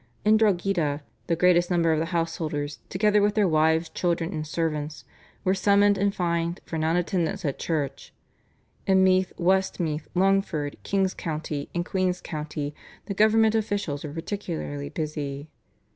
In Drogheda "the greatest number of the householders together with their wives, children, and servants," were summoned and fined for non attendance at church. In Meath, Westmeath, Longford, King's County, and Queen's County the government officials were particularly busy.